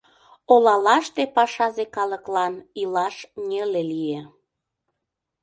Олалаште пашазе калыклан илаш неле лие.